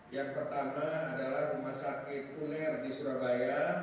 yang pertama adalah rumah sakit uner di surabaya